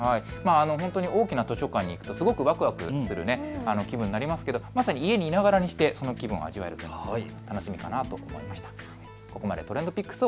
本当に大きな図書館に行くとすごくわくわくする気分になりますがまさに家にいながらにしてその気分を味わえるということです。